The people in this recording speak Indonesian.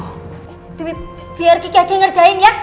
eh tapi biar kiki aja yang ngerjain ya